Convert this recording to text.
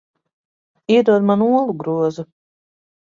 Iedod man olu grozu.